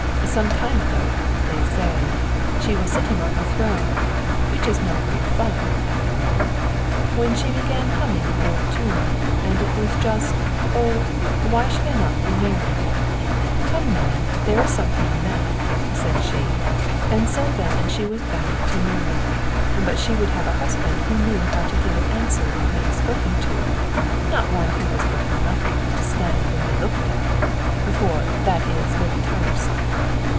Some time ago, they say, she was sitting on her throne, which is no great fun, after all, when she began humming an old tune, and it was just 'Oh, why should I not be married?' 'Come, now, there is something in that,' said she, and so then she was bound to marry; but she would have a husband who knew how to give an answer when he was spoken to, not one who was good for nothing but to stand and be looked at, for that is very tiresome.